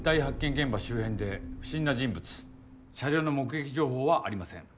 現場周辺で不審な人物車両の目撃情報はありません。